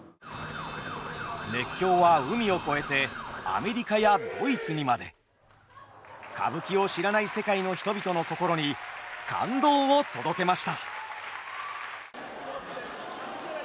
熱狂は海を越えてアメリカやドイツにまで。歌舞伎を知らない世界の人々の心に感動を届けました。